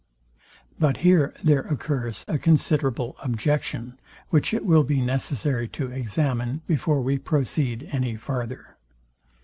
But here there occurs a considerable objection, which it will be necessary to examine before we proceed any farther.